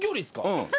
うん。